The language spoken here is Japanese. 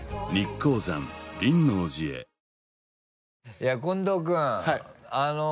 いや近藤君。はい。